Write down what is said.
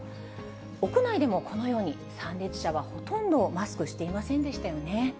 屋内でもこのように、参列者はほとんどマスクしていませんでしたよね。